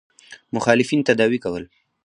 مخالفین تداوي کول.